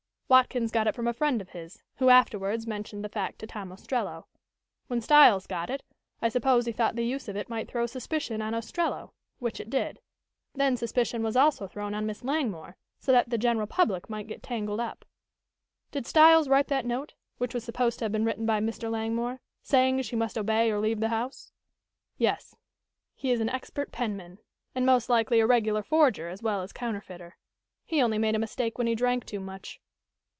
"Watkins got it from a friend of his, who afterwards mentioned the fact to Tom Ostrello. When Styles got it I suppose he thought the use of it might throw suspicion on Ostrello, which it did. Then suspicion was also thrown on Miss Langmore, so that the general public might get tangled up." "Did Styles write that note, which was supposed to have been written by Mr. Langmore, saying she must obey or leave the house?" "Yes. He is an expert penman, and most likely a regular forger as well as counterfeiter. He only made a mistake when he drank too much."